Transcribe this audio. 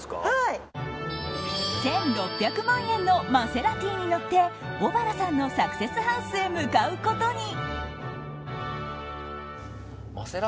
１６００万円のマセラティに乗って小原さんのサクセスハウスへ向かうことに。